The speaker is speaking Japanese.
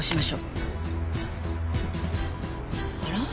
あら？